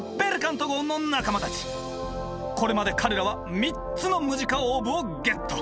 これまで彼らは３つのムジカオーブをゲット。